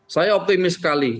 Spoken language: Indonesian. saya optimist sekali